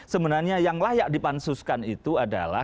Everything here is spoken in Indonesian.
sebenarnya yang layak dipansuskan itu adalah